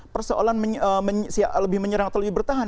persoalan lebih menyerang atau lebih bertahan